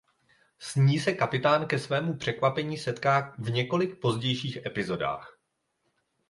S ní se kapitán ke svému překvapení setká v několik pozdějších epizodách.